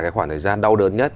cái khoảng thời gian đau đớn nhất